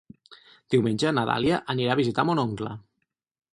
Diumenge na Dàlia anirà a visitar mon oncle.